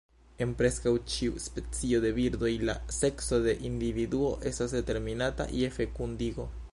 En preskaŭ ĉiu specio de birdoj, la sekso de individuo estas determinata je fekundigo.